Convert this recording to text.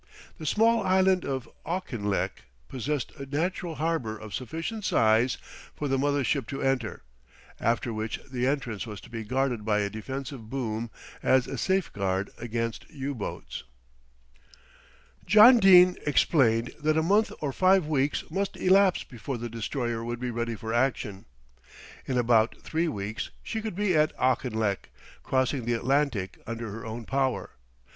The small island of Auchinlech possessed a natural harbour of sufficient size for the mother ship to enter, after which the entrance was to be guarded by a defensive boom as a safeguard against U boats. John Dene explained that a month or five weeks must elapse before the Destroyer would be ready for action. In about three weeks she could be at Auchinlech, crossing the Atlantic under her own power.